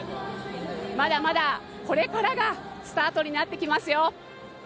まだまだ、これからがスタートになってきますよ。